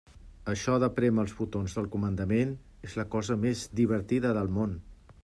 Això de prémer els botons del comandament és la cosa més divertida del món!